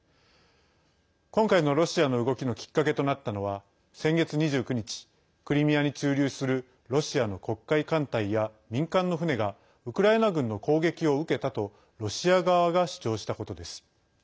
今回のロシアの動きのきっかけとなったのは先月２９日、クリミアに駐留するロシアの黒海艦隊や民間の船がウクライナ軍の攻撃を受けたとロシア側が主張したことです。